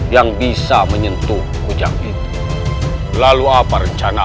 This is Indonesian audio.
yang bisa menyentuh ujang itu lalu apa rencana